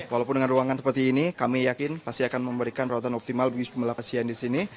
walaupun dengan ruangan seperti ini kami yakin pasti akan memberikan perawatan optimal bagi jumlah pasien di sini